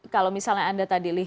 kalau misalnya anda tadi